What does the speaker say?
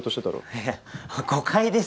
いや誤解です。